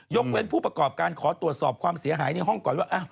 เว้นผู้ประกอบการขอตรวจสอบความเสียหายในห้องก่อนว่า